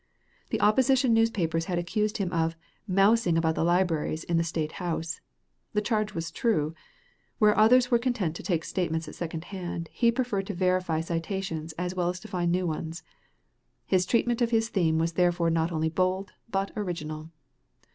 The opposition newspapers had accused him of "mousing about the libraries in the State House." The charge was true. Where others were content to take statements at second hand, he preferred to verify citations as well as to find new ones. His treatment of his theme was therefore not only bold but original.